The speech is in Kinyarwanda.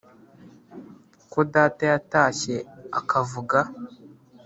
ko data yatashye akavuga